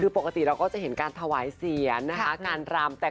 ผมก็จะเห็นการถวายเสียะนะฮะการรำ